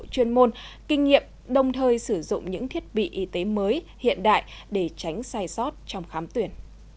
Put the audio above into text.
chuyên môn kinh nghiệm đồng thời sử dụng những thiết bị y tế mới hiện đại để tránh sai sót trong khám tuyển